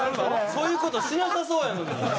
そういう事しなさそうやのに。